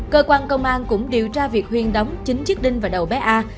cơ quan công an cũng điều tra việc huyên đóng chính chiếc đinh vào đầu bé a